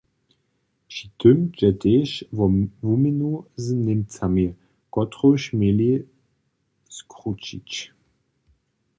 Při tym dźe tež wo wuměnu z Němcami, kotruž měli skrućić.